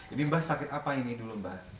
ini mbah sakit apa ini dulu mbak